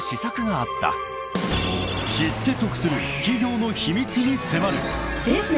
［知って得する企業の秘密に迫る］